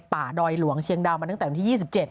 ดอยหลวงเชียงดาวมาตั้งแต่วันที่๒๗